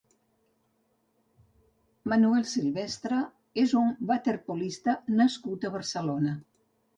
Manuel Silvestre és un waterpolista nascut a Barcelona.